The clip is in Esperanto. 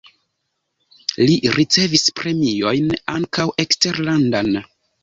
Li ricevis premiojn (ankaŭ eksterlandan).